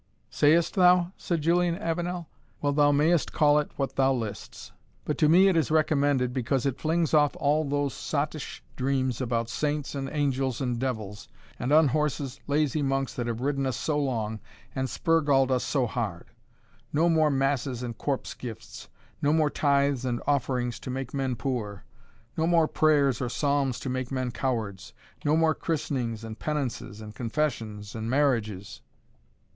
"Sayest thou?" said Julian Avenel "Well, thou mayest call it what thou lists; but to me it is recommended, because it flings off all those sottish dreams about saints and angels and devils, and unhorses lazy monks that have ridden us so long, and spur galled us so hard. No more masses and corpse gifts no more tithes and offerings to make men poor no more prayers or psalms to make men cowards no more christenings and penances, and confessions and marriages."